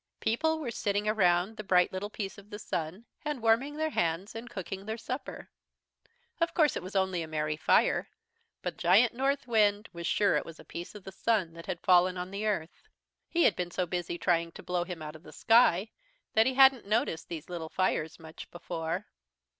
People were sitting around the bright little piece of the Sun, and warming their hands, and cooking their supper. Of course it was only a merry fire, but Giant Northwind was sure it was a piece of the Sun that had fallen on the Earth. He had been so busy trying to blow him out of the sky that he hadn't noticed these little fires much before.